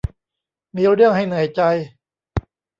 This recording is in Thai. มีเรื่องให้เหนื่อยใจ